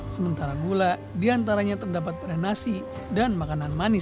sementara gula diantaranya terdapat pada nasi dan makanan manis